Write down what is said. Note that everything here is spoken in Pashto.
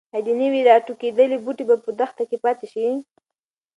ایا د نوي راټوکېدلي بوټي به په دښته کې پاتې شي؟